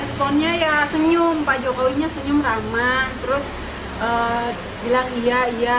responnya ya senyum pak jokowinya senyum ramah terus bilang iya iya